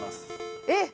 えっ！